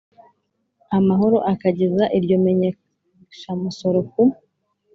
Amahoro akageza iryo menyeshamusoro ku